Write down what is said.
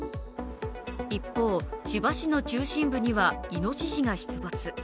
一方、千葉市の中心部にはいのししが出没。